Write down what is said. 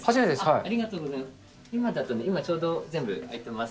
ありがとうございます。